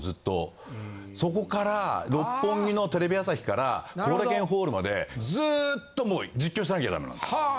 そこから六本木のテレビ朝日から後楽園ホールまでずっともう実況してなきゃダメなんですね。